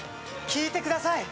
聴いてください